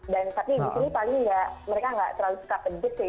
dan tapi disini paling enggak mereka enggak terlalu suka pejit sih